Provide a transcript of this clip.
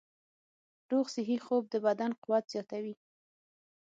روغ صحي خوب د بدن قوت زیاتوي.